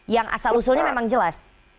yang asal usulnya memang jelas